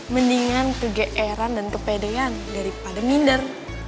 mendingan kegeeran dan kepedean daripada minder